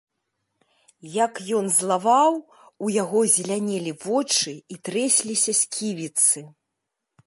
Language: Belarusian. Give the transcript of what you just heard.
Як ён злаваў, у яго зелянелі вочы і трэсліся сківіцы!